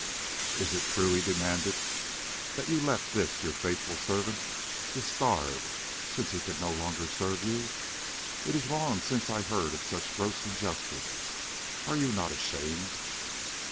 "Is it true," he demanded, "that you left this, your faithful servant, to starve, since he could no longer serve you? It is long since I heard of such gross injustice are you not ashamed?"